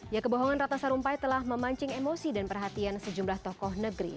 ya kebohongan ratna sarumpait telah memancing emosi dan perhatian sejumlah tokoh negeri